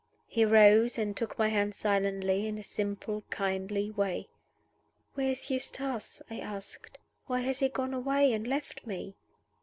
He rose and took my hand silently, in his simple, kindly way. "Where is Eustace?" I asked. "Why has he gone away and left me?"